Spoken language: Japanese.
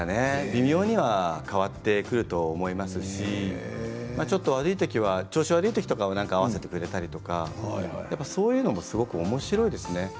微妙には変わってくると思いますしちょっと悪いときは、調子悪いときは合わせてくれたりとかそういうのもすごく、おもしろいですね。